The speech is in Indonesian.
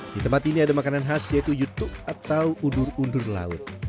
di tempat ini ada makanan khas yaitu youtube atau udur undur laut